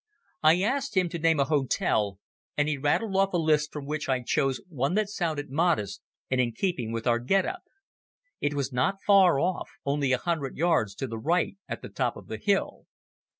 I asked him to name a hotel, and he rattled off a list from which I chose one that sounded modest and in keeping with our get up. It was not far off, only a hundred yards to the right at the top of the hill.